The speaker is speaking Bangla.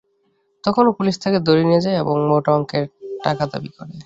তখনো পুলিশ তাঁকে ধরে নিয়ে যায় এবং মোটা অঙ্কের টাকা দাবি করে।